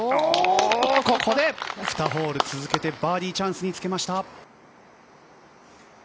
ここで２ホール続けてバーディーチャンスにつけました。